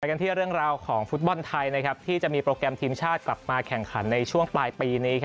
กันที่เรื่องราวของฟุตบอลไทยที่จะมีโปรแกรมทีมชาติกลับมาแข่งขันในช่วงปลายปีนี้